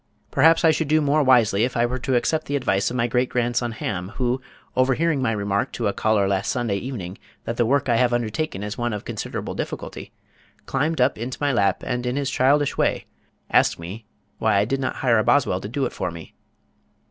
Perhaps I should do more wisely if I were to accept the advice of my great grandson Ham, who, overhearing my remark to a caller last Sunday evening that the work I have undertaken is one of considerable difficulty, climbed up into my lap and in his childish way asked me why I did not hire a boswell to do it for me.